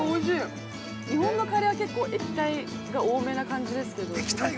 ◆日本のカレーは結構、液体が多めな感じですけど。